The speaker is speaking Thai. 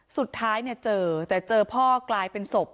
สุดท้ายเนี่ยเจอแต่เจอพ่อกลายเป็นศพ